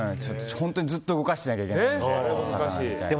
ずっと動かしてなきゃいけないので。